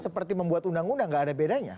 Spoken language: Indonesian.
seperti membuat undang undang gak ada bedanya